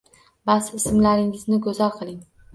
Bas, ismlaringizni go‘zal qiling’’